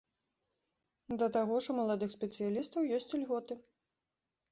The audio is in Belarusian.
Да таго ж, у маладых спецыялістаў ёсць ільготы.